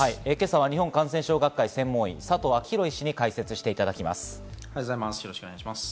日本感染症学会専門医の佐藤昭裕医師に解説していただきます。